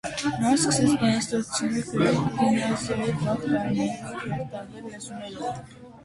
Նա սկսեց բանաստեղծություններ գրել գիմնազիայի վաղ տարիներին և տարբեր լեզուներով։